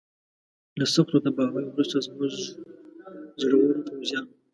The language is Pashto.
له سختو تباهیو وروسته زموږ زړورو پوځیانو.